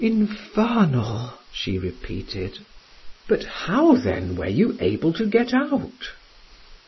"Infernal," she repeated. "But how, then, were you able to get out?"